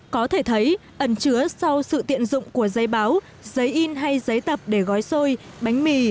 có thể thấy ẩn chứa sau sự tiện dụng của giấy báo giấy in hay giấy tập để gói xôi bánh mì